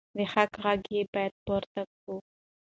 د حق غږ باید پورته کړو.